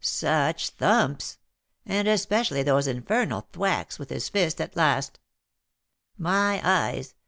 Such thumps! and especially those infernal thwacks with his fist at last. My eyes!